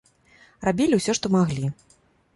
Рабілі ўсё, што маглі.